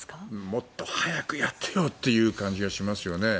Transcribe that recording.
もっと早くやってよという感じがしますね。